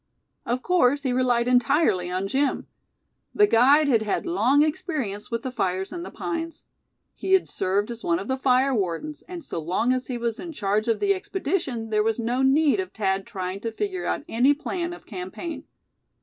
Of course he relied entirely on Jim. The guide had had long experience with the fires in the pines. He had served as one of the fire wardens, and so long as he was in charge of the expedition there was no need of Thad trying to figure out any plan of campaign.